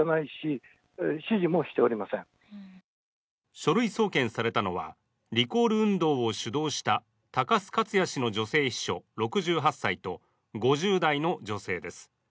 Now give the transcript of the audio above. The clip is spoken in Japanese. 書類送検されたのはリコール運動を主導した高須克弥氏の女性秘書６８歳と５０代の女性です。